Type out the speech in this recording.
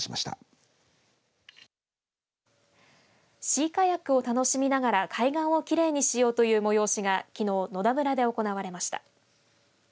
シーカヤックを楽しみながら海岸をきれいにしようという催しが、きのう野田村で行われました。